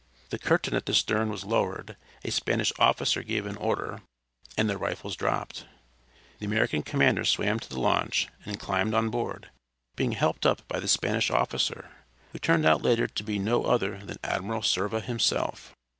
The curtain at the stern was lowered, a Spanish officer gave an order, and the rifles dropped. The American commander swam to the launch, and climbed on board, being helped up by the Spanish officer, who turned out later to be no other than Admiral Cervera himself.